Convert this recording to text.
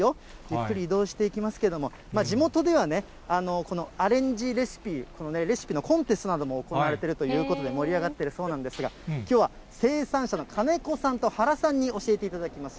ゆっくり移動していきますけども、地元ではね、このアレンジレシピ、このレシピのコンテストなども行われてるということで、盛り上がってるそうなんですが、きょうは生産者の金子さんと原さんに教えていただきます。